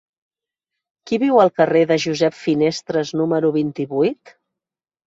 Qui viu al carrer de Josep Finestres número vint-i-vuit?